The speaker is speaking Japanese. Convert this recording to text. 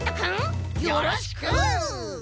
よろしく！